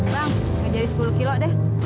bang gak jadi sepuluh kilo deh